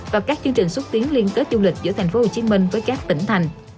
và các chương trình xuất tiến liên kết du lịch giữa thành phố hồ chí minh với các tỉnh thành